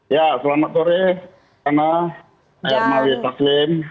ya selamat sore sama hermawi taslim